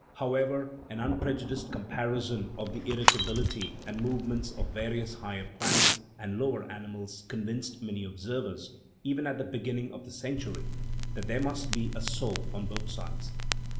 However, an unprejudiced comparison of the irritability and movements of various higher plants and lower animals convinced many observers, even at the beginning of the century, that there must be a " soul " on both sides.